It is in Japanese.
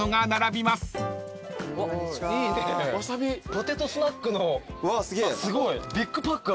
ポテトスナックのビッグパックある。